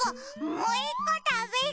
もういっこたべる！